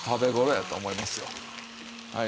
はい。